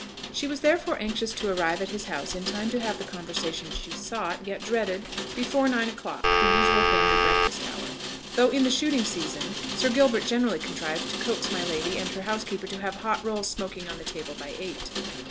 She was therefore anxious to arrive at his house in time to have the conversation she sought, yet dreaded, before nine o'clock, the usual family breakfast hour; though in the shooting season Sir Gilbert generally contrived to coax my lady and her housekeeper to have hot rolls smoking on the table by eight.